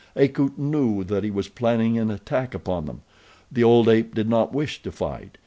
Akut knew that he was planning an attack upon them. The old ape did not wish to fight.